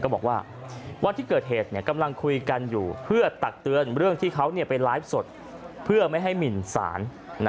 บอกว่าวันที่เกิดเหตุกำลังคุยกันอยู่เพื่อตักเตือนเรื่องที่เขาไปไลฟ์สดเพื่อไม่ให้หมินสาร